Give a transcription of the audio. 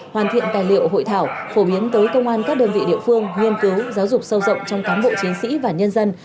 hoàn thiện tài liệu hội thảo phổ biến tới công an các đơn vị địa phương nghiên cứu giáo dục sâu rộng trong cán bộ chiến sĩ và nhân dân